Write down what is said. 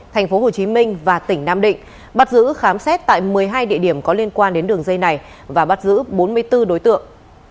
tp hcm và tỉnh nam định bắt giữ khám xét tại một mươi hai địa điểm có liên quan đến đường dây này và bắt giữ bốn mươi bốn đối tượng